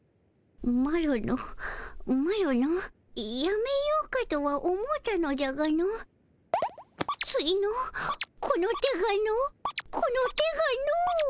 マロのマロのやめようかとは思うたのじゃがのついのこの手がのこの手がの。